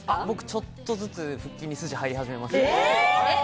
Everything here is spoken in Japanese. ちょっとずつ腹筋に筋入り始めました。